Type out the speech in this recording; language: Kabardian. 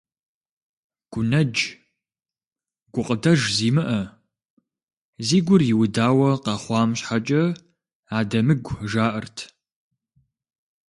Гунэдж, гукъыдэж зимыӏэ, зи гур иудауэ къэхъуам щхьэкӏэ адэмыгу жаӏэрт.